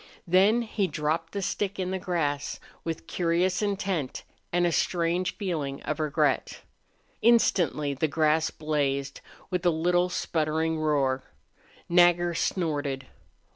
Then he dropped the stick in the grass, with curious intent and a strange feeling of regret. Instantly the grass blazed with a little sputtering roar. Nagger snorted.